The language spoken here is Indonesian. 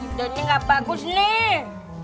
udah ini gak bagus nih